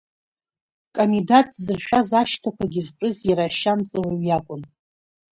Камидаҭ дзыршәаз ашьҭақәагьы зтәыз иара Ашьанҵа-уаҩ иакәын.